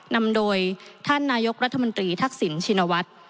นำโดยท่านนายกรัฐมนตรีทักษิณชินวัฒน์